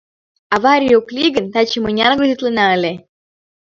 Аварий ок лий гын, таче мыняр грузитлена ыле!